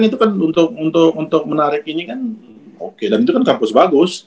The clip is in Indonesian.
itu kan untuk menarik ini kan oke dan itu kan kampus bagus